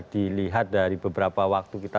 dilihat dari beberapa waktu kita